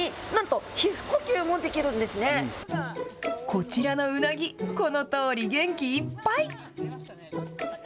こちらのウナギこのとおり元気いっぱい。